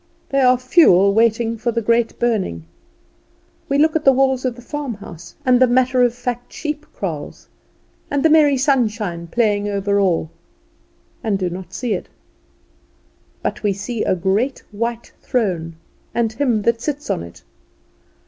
They are fuel waiting for the great burning. We look at the walls of the farmhouse and the matter of fact sheep kraals, with the merry sunshine playing over all; and do not see it. But we see a great white throne, and him that sits on it.